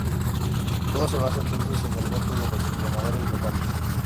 Todo se basa entonces en el voto de los entrenadores locales.